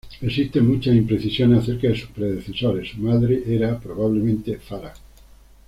Existen muchas imprecisiones acerca de sus predecesores, su madre era probablemente Fara.